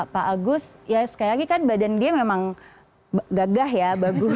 pak agus ya sekali lagi kan badan dia memang gagah ya bagus